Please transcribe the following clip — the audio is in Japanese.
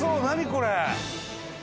これ！